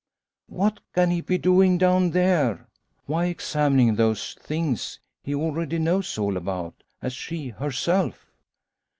What can he be doing down there? Why examining those things, he already knows all about, as she herself?